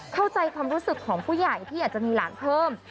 เข้าใจความรู้สึกของผู้ใหญ่ที่อยากจะมีหลานเพิ่ม